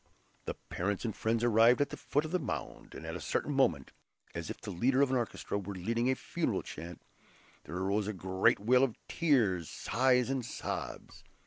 The parents and friends arrived at the foot of the mound, and at a certain moment, as if the leader of an orchestra were leading a funeral chant, there arose a great wail of tears, sighs, and sobs.